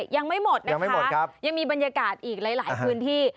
ยังไม่หมดนะคะยังมีบรรยากาศอีกหลายพื้นที่